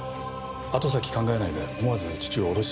後先考えないで思わず父を下ろしてしまいました。